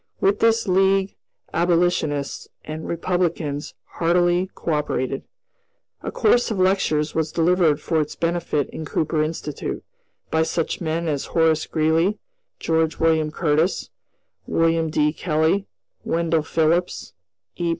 With this League abolitionists and Republicans heartily co operated. A course of lectures was delivered for its benefit in Cooper Institute, by such men as Horace Greeley, George William Curtis, William D. Kelly, Wendell Phillips, E.